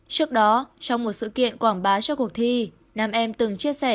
trước đó trong một sự kiện quảng bá cho cuộc thi nam em từng chia sẻ